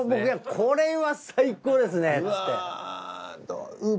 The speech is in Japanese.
これは最高ですねっつって。